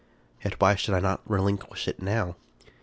Yet why should I not relinquish it now?